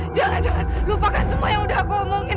jangan lupakan semua yang udah aku omongin